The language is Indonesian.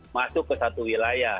masuk ke satu wilayah